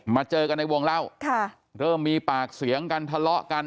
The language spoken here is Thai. เจอกันในวงเล่าค่ะเริ่มมีปากเสียงกันทะเลาะกัน